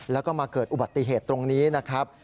แล้วก็มาเกิดอุบัติเหตุตรงนี้นะครับ